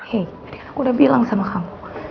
hei aku udah bilang sama kamu